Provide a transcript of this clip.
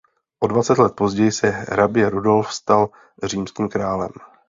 O dvacet let později se hrabě Rudolf stal římským králem.